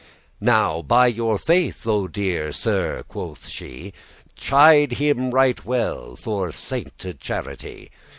"Now by your faith, O deare Sir," quoth she, "Chide him right well, for sainte charity.